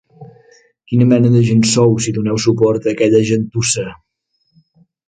Quina mena de gent sou, si doneu suport a aquella gentussa?